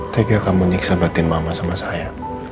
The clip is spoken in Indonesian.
tegel kamu nyiksa berarti mamah sama saya